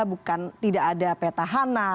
bukan tidak ada peta hana